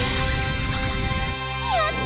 やった！